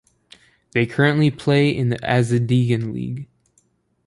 They currently play in the Azadegan League.